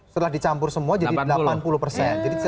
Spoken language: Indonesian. setelah dicampur semua jadi delapan puluh persen